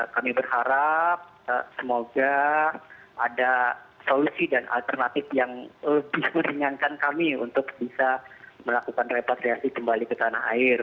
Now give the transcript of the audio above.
kami berharap semoga ada solusi dan alternatif yang lebih meringankan kami untuk bisa melakukan repatriasi kembali ke tanah air